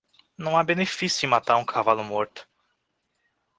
Não há benefício em matar um cavalo morto.